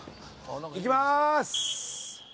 いきまーす！